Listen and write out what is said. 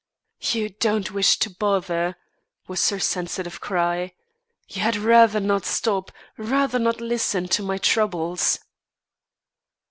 "You don't wish to bother," was her sensitive cry. "You had rather not stop; rather not listen to my troubles."